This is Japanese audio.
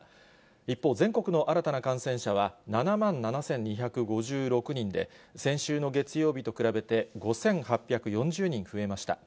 一方、全国の新たな感染者は７万７２５６人で、先週の月曜日と比べて、５８４０人増えました。